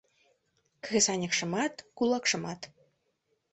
Кресаньыкшымат, кулакшымат.